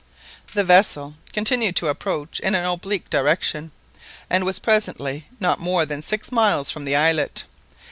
The vessel continued to approach in an oblique direction, and was presently not more than six miles from the islet.